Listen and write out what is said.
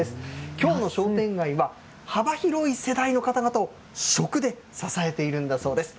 きょうの商店街は、幅広い世代の方々を食で支えているんだそうです。